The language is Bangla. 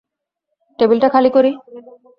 টেবিলটা খালি করি?